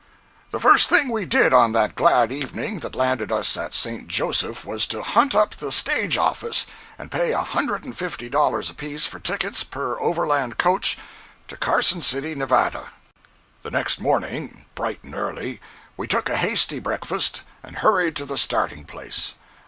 The first thing we did on that glad evening that landed us at St. Joseph was to hunt up the stage office, and pay a hundred and fifty dollars apiece for tickets per overland coach to Carson City, Nevada. 023a.jpg (31K) The next morning, bright and early, we took a hasty breakfast, and hurried to the starting place.